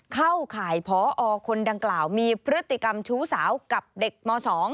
เข้าข่ายพอคนดังกล่าวมีพฤติกรรมชู้สาวกับเด็กม๒